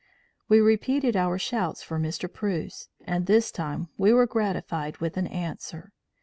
We repeated our shouts for Mr. Preuss; and this time we were gratified with an answer.